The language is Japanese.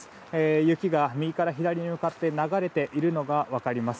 雪が右から左に向かって流れているのが分かります。